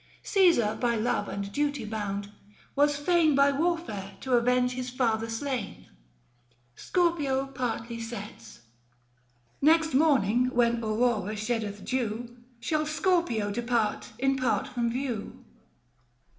Caesar by love and duty bound, was fain 760 By warfare to avenge his father slain. 94 THE FASTI. Book III. XVII. KAL. APRIL. SCORPIO PARTLY SETS. Next morning when Aurora sheddeth dew, Shall Scorpio depart in part from view.